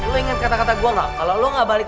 lo inget kata kata gue gak kalau lo gak balik